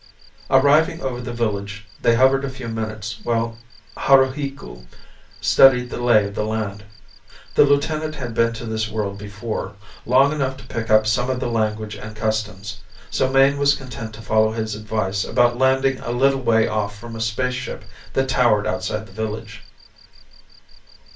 Arriving over the village, they hovered a few minutes while Haruhiku studied the lay of the land. The lieutenant had been to this world before, long enough to pick up some of the language and customs, so Mayne was content to follow his advice about landing a little way off from a spaceship that towered outside the village.